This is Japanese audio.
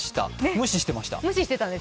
無視してました。